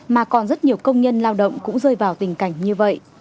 mà còn rất nhiều công nhân lao động cũng rơi vào tình cảnh như vậy